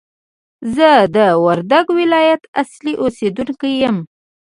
زه د وردګ ولایت اصلي اوسېدونکی یم!